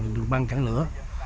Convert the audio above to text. đường băng cản lửa